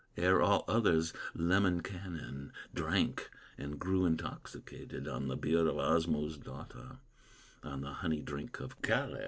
Ere all others Lemminkainen Drank, and grew intoxicated On the beer of Osmo's daughter, On the honey drink of Kalew.